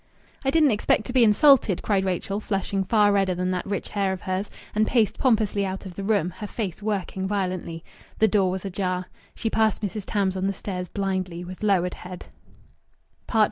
"I didn't expect to be insulted!" cried Rachel, flushing far redder than that rich hair of hers, and paced pompously out of the room, her face working violently. The door was ajar. She passed Mrs. Tams on the stairs, blindly, with lowered head.